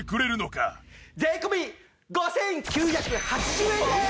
税込５９８０円です！